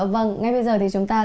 vâng ngay bây giờ thì chúng tôi